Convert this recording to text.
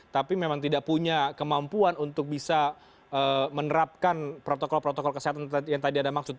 tapi memang tidak punya kemampuan untuk bisa menerapkan protokol protokol kesehatan yang tadi ada maksud